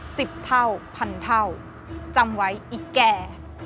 สิบเท่าพันเท่าจำไว้อีกแก่